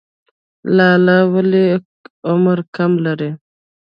لاله ولې عمر کم لري؟